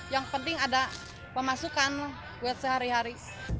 yang penting ada pemasukan buat sehari hari